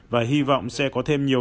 và hy vọng sẽ có thêm nhiều